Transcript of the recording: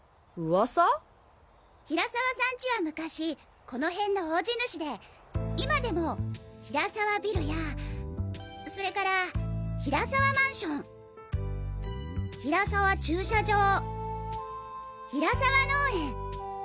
平沢さんちは昔この辺の大地主で今でも平沢ビルやそれから平沢マンション平沢駐車場平沢農園